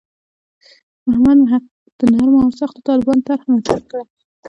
محمد محق د نرمو او سختو طالبانو طرح مطرح کړه.